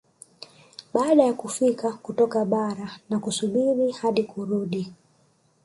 Baada ya kufika kutoka bara na kusubiri hadi kurudi